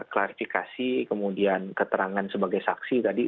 klarifikasi kemudian keterangan sebagai saksi tadi